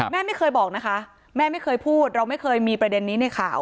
แม่ไม่เคยบอกนะคะแม่ไม่เคยพูดเราไม่เคยมีประเด็นนี้ในข่าว